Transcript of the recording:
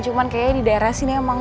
cuman kayaknya di daerah sini emang